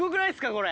これ。